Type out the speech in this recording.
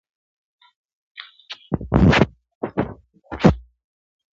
نن مي په دېوان کي د جانان حماسه ولیکه؛